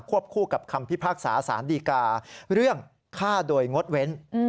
ควบคู่กับคำพิภาคศาสถานดีกับเรื่องฆ่าโดยงดเว้น